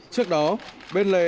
trước đó bên lề